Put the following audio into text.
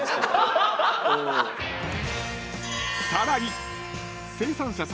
［さらに］